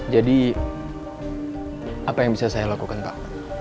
jadi apa yang bisa saya lakukan pak